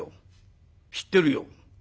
「知ってるよ。